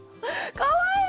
かわいい！